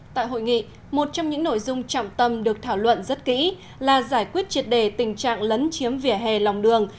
tại hội nghị một trong những nội dung trọng tâm được thảo luận rất kỹ là giải quyết triệt đề tình trạng lấn chiếm vỉa hè lòng đường